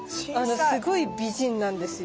すごい美人なんですよ。